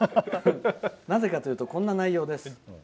なぜかというと、こんな内容です。